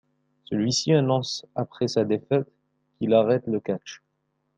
Celui-ci annonce après sa défaite qu'il arrête le catch.